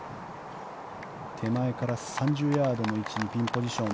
手前から３０ヤードの位置にピンポジション。